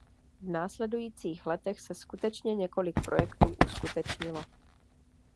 V následujících letech se skutečně několik projektů uskutečnilo.